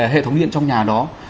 hệ thống điện trong nhà đó